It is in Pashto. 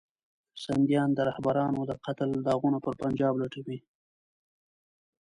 سندیان د رهبرانو د قتل داغونه پر پنجاب لټوي.